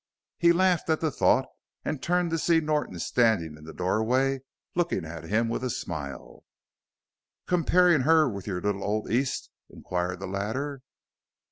He laughed at the thought and turned to see Norton standing in the doorway looking at him with a smile. "Comparin' her with your little old East?" inquired the latter.